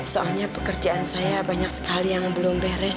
soalnya pekerjaan saya banyak sekali yang belum beres